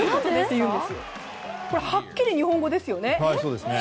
はっきり日本語ですよね。